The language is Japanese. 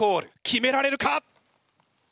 決められるか！？